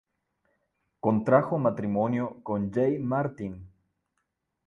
Contrajo matrimonio con Jay Martin.